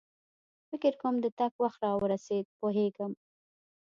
فکر کوم د تګ وخت را ورسېد، پوهېږم.